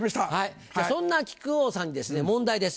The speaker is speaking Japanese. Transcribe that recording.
そんな木久扇さんにですね問題です。